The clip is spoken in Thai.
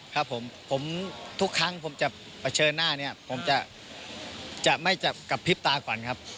ครับผมผมทุกครั้งผมจะเผชิญหน้าเนี่ยผมจะไม่กระพริบตาก่อนครับ